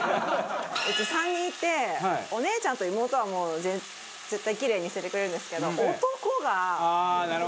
うち３人いてお姉ちゃんと妹はもう絶対キレイに捨ててくれるんですけど。